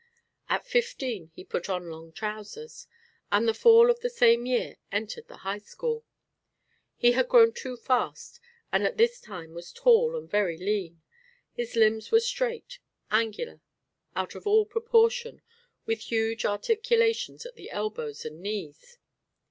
At fifteen he put on long trousers, and the fall of the same year entered the High School. He had grown too fast and at this time was tall and very lean; his limbs were straight, angular, out of all proportion, with huge articulations at the elbows and knees.